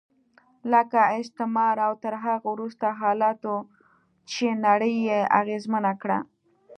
لکه استعمار او تر هغه وروسته حالاتو چې نړۍ یې اغېزمنه کړه.